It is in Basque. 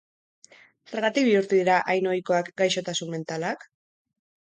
Zergatik bihurtu dira hain ohikoak gaixotasun mentalak?